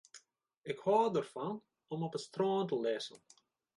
Ik hâld derfan om op it strân te lizzen.